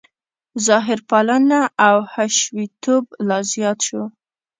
ظاهرپالنه او حشویتوب لا زیات شو.